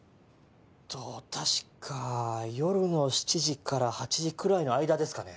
えっと確か夜の７時から８時くらいの間ですかね。